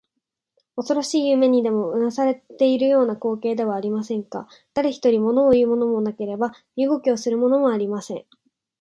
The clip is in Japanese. おそろしい夢にでもうなされているような光景ではありませんか。だれひとり、ものをいうものもなければ身動きするものもありません。